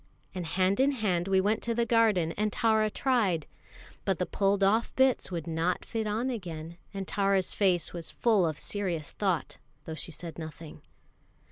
And hand in hand we went to the garden, and Tara tried. But the pulled off bits would not fit on again; and Tara's face was full of serious thought, though she said nothing.